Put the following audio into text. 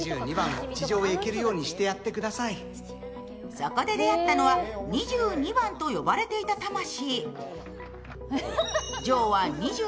そこで出会ったのは２２番と呼ばれていた魂。